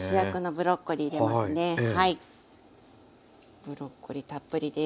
ブロッコリーたっぷりです。